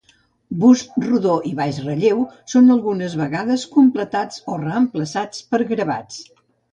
Bust rodó i baix relleu són algunes vegades completats o reemplaçats per gravats.